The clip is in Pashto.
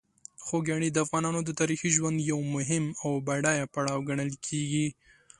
خوږیاڼي د افغانانو د تاریخي ژوند یو مهم او بډایه پړاو ګڼل کېږي.